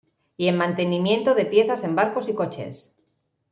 Y en mantenimiento de piezas en barcos y coches.